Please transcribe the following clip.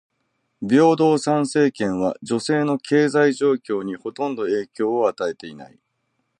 平等参政権は女性の経済状況にほとんど影響を与えていない。